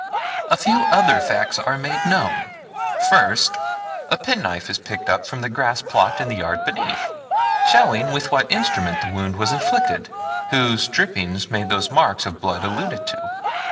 A few other facts are made known. First, a pen knife is picked up from the grass plot in the yard beneath, showing with what instrument the wound was inflicted, whose drippings made those marks of blood alluded to.